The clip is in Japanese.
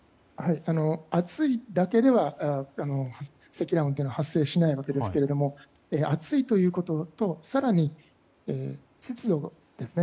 暑いだけでは積乱雲は発生しないんですが暑いということと更に、湿度ですね。